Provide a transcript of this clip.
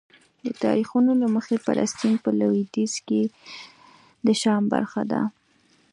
د تاریخونو له مخې فلسطین په لویدیځ کې د شام برخه ده.